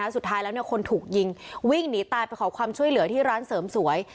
สุดท้ายแล้วคนถูกยิงวิ่งหนีตายไปขอความช่วยเหลือที่ร้านเสริมสวย